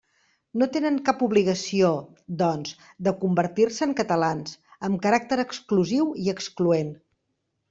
No tenen cap obligació, doncs, de convertir-se en catalans, amb caràcter exclusiu i excloent.